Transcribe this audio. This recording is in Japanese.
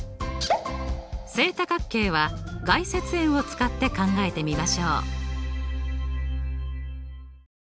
正多角形は外接円を使って考えてみましょう。